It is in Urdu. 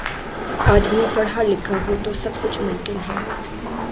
آدمی پڑھا لکھا ہو تو سب کچھ ممکن ہے